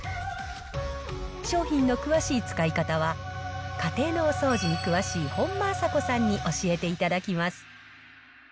商品の詳しい使い方は家庭のお掃除に詳しい本間朝子さんに教えていただきます。